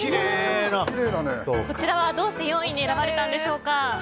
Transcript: こちらはどうして４位に選ばれたんでしょうか。